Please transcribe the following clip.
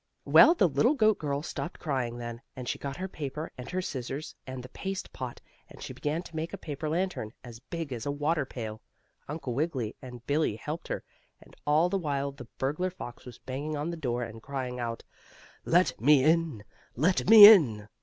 Well, the little goat girl stopped crying then, and she got her paper, and her scissors, and the paste pot, and she began to make a paper lantern, as big as a water pail. Uncle Wiggily and Billie helped her. And all the while the burglar fox was banging on the door, and crying out: "Let me in! Let me in!"